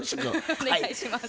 お願いします。